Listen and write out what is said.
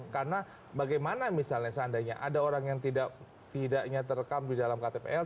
karena bagaimana misalnya seandainya ada orang yang tidaknya terekam di dalam ktpl